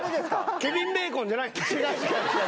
ケビン・ベーコンじゃない？